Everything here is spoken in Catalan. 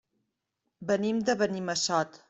Venim de Benimassot.